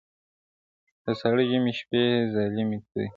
د ساړه ژمي شپې ظالمي توري-